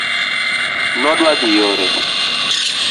nodwadhi yore